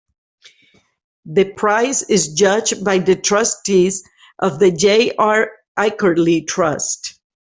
The prize is judged by the trustees of the J. R. Ackerley Trust.